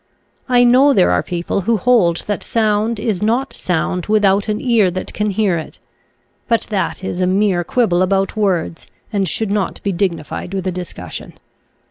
I know there are people who hold that sound is not sound without an ear that can hear it, but that is a mere quibble about words and should not be dignified with a discussion.